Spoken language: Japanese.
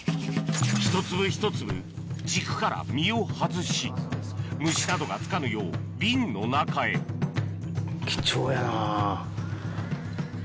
一粒一粒軸から実を外し虫などがつかぬよう瓶の中へ貴重やな。